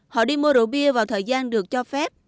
họ đi mua rượu bia vào thời gian được cho phép